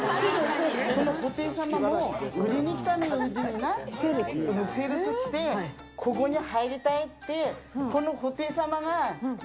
この布袋様も、売りに来たのよ、うちにね、セールス来て、ここに入りたいって、本当に？